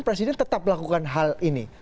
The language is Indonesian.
presiden tetap melakukan hal ini